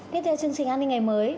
tiếp theo chương trình an ninh ngày mới